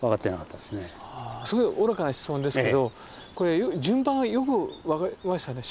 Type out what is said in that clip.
すごい愚かな質問ですけどこれ順番はよく分かりましたね。